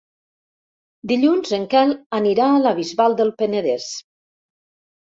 Dilluns en Quel anirà a la Bisbal del Penedès.